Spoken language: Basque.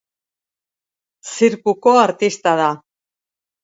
Zirkuko artista da.